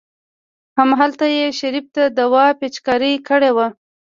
همالته يې شريف ته دوا پېچکاري کړې وه.